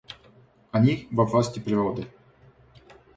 Они во власти природы.